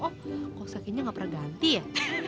oh kok sakinya gak pernah ganti ya